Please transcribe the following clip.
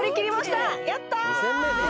やったー！